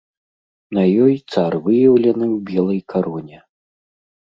На ёй цар выяўлены ў белай кароне.